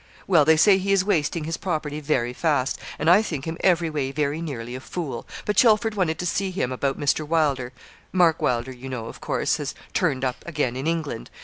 'Well, they say he is wasting his property very fast; and I think him every way very nearly a fool; but Chelford wanted to see him about Mr. Wylder. Mark Wylder, you know, of course, has turned up again in England.